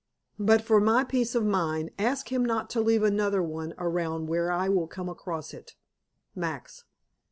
But for my peace of mind, ask him not to leave another one around where I will come across it. Max.